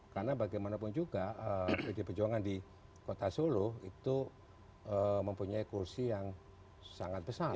karena bagaimanapun juga ide perjuangan di kota solo itu mempunyai kursi yang sangat besar